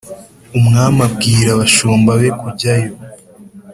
umwami abwira abashumba be kujyayo